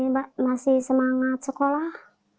jadi korban anak saya masih semangat sekolah